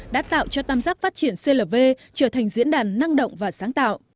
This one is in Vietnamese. đã tạo cho tam giác phát triển clv trở thành diễn đàn năng động và sáng tạo